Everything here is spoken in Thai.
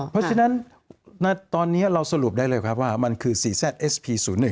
ไม่มีเรียบเรียบ